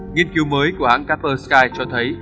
nghiên cứu mới của hãng kapersky cho thấy